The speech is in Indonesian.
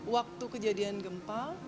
waktu kejadian gempa